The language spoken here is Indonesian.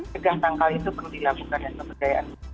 pegah tangkal itu perlu dilakukan dan pemberdayaan